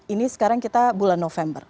ini sekarang kita bulan november